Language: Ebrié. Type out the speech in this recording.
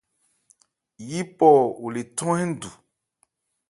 Yípɔ ole thɔ́n hɛ́ndu.